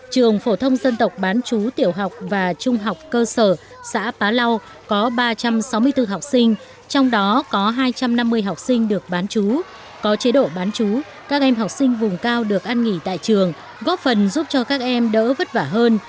trong đó có hai trăm năm mươi học sinh được bán chú có chế độ bán chú các em học sinh vùng cao được ăn nghỉ tại trường góp phần giúp cho các em đỡ vất vả hơn